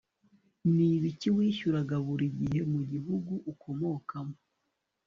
Ni ibiki wishyuraga buri gihe mu gihugu ukomokamo